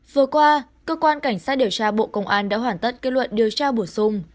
vừa qua cơ quan cảnh sát điều tra bộ công an đã hoàn tất kết luận điều tra bổ sung